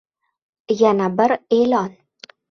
Yana bir e’lon!